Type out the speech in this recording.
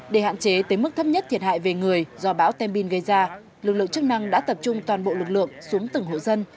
để hạn chế tới mức thấp nhất thiệt hại về người do bão tem bin gây ra lực lượng chức năng đã tập trung toàn bộ lực lượng xuống từng hộ dân